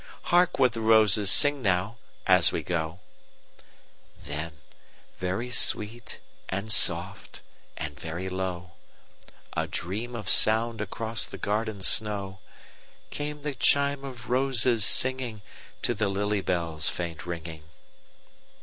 "Hark what the roses sing now, as we go;"Then very sweet and soft, and very low,—A dream of sound across the garden snow,—Came the chime of roses singingTo the lily bell's faint ringing.